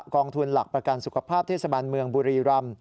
กองทุนหลักประกันสุขภาพเทศบาลเมืองบุรีรำ